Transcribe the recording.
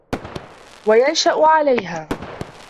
وَيَنْشَأَ عَلَيْهَا